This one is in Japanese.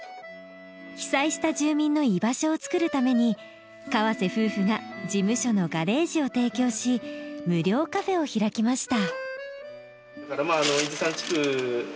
被災した住民の居場所を作るために河瀬夫婦が事務所のガレージを提供し無料カフェを開きました。